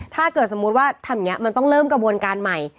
ถ้าเกิดสมมุติว่าทำอย่างนี้มันต้องเริ่มกระบวนการใหม่